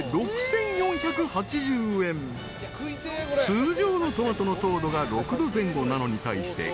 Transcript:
［通常のトマトの糖度が６度前後なのに対してＱＵＥＥＮ